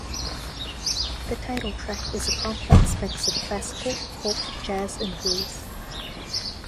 The title track is a complex mix of classical, folk, jazz and blues.